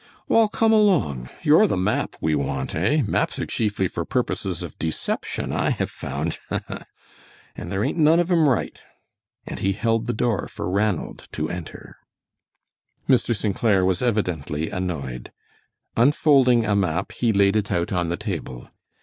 "Wall, come along, you're the map we want, eh? Maps are chiefly for purposes of deception, I have found, ha, ha! and there ain't none of 'em right," and he held the door for Ranald to enter. Mr. St. Clair was evidently annoyed. Unfolding a map he laid it out on the table.